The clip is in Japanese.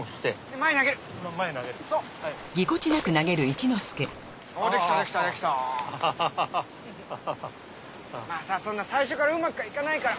まあさそんな最初からうまくはいかないから。